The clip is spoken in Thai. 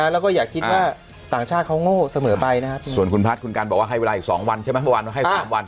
แล้วก็อย่าคิดว่าต่างชาติเขาโง่เสมอไปนะครับส่วนคุณพัฒน์คุณกันบอกว่าให้เวลาอีก๒วันใช่ไหมเมื่อวานให้๓วัน